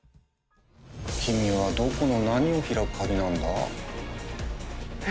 君はどこの何を開く鍵なんだ？